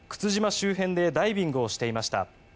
周辺でダイビングをしていました。